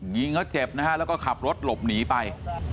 ยิงเขาเจ็บนะฮะแล้วก็ขับรถหลบหนีไป